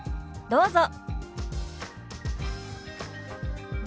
どうぞ。